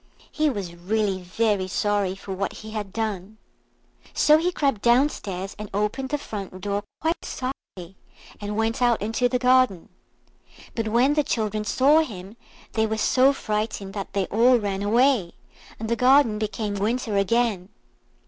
He was really very sorry for what he had done. So he crept downstairs and opened the front door quite softly, and went out into the garden. But when the children saw him they were so frightened that they all ran away, and the garden became winter again.